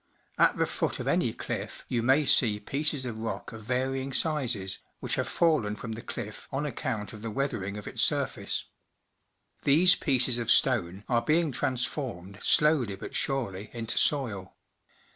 At the foot of any cliff you may see pieces of rock of varying sizes, which have fallen from the cliff on account of the weathering of its surface. These pieces of stone are being transformed slowly but surely into soil.